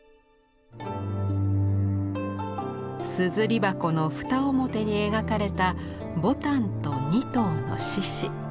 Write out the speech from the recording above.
硯箱の蓋おもてに描かれた牡丹と２頭の獅子。